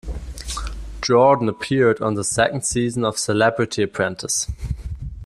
Jordan appeared on the second season of "Celebrity Apprentice".